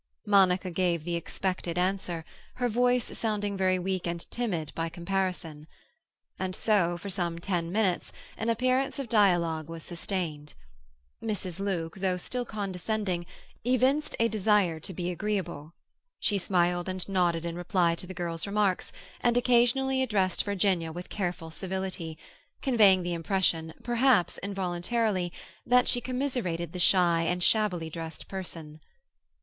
Monica gave the expected answer, her voice sounding very weak and timid by comparison. And so, for some ten minutes, an appearance of dialogue was sustained. Mrs. Luke, though still condescending, evinced a desire to be agreeable; she smiled and nodded in reply to the girl's remarks, and occasionally addressed Virginia with careful civility, conveying the impression, perhaps involuntarily, that she commiserated the shy and shabbily dressed person.